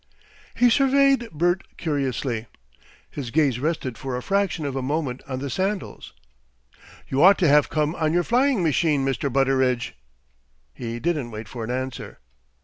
He surveyed Bert curiously. His gaze rested for a fraction of a moment on the sandals. "You ought to have come on your flying machine, Mr. Butteridge." He didn't wait for an answer.